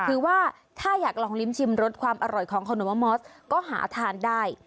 คือว่าถ้าอยากลองลิ้มชิมรสความอร่อยของขนมมะมอสก็หาทานได้